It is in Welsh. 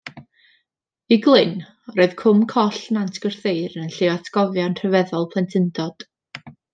I Glyn, roedd cwm coll Nant Gwrtheyrn yn lle o atgofion rhyfeddol plentyndod.